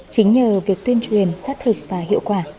chính nhờ việc tuyên truyền sát thực và hiệu quả